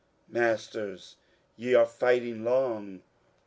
Masters, je are fighting long.